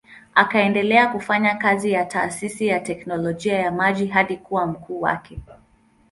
Akaendelea kufanya kazi ya taasisi ya teknolojia ya maji hadi kuwa mkuu wake.